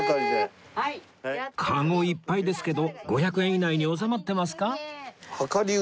カゴいっぱいですけど５００円以内に収まってますか？